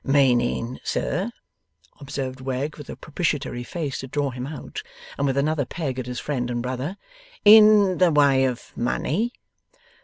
'Meaning sir,' observed Wegg, with a propitiatory face to draw him out, and with another peg at his friend and brother, 'in the way of money?